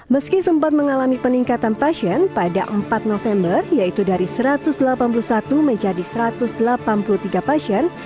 meski sempat mengalami peningkatan pasien pada empat november yaitu dari satu ratus delapan puluh satu menjadi satu ratus delapan puluh tiga pasien